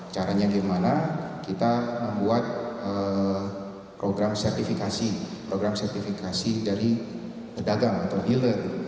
caranya gimana kita membuat program sertifikasi program sertifikasi dari pedagang atau healer